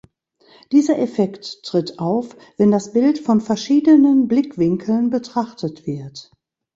Dieser Effekt tritt auf, wenn das Bild von verschiedenen Blickwinkeln betrachtet wird.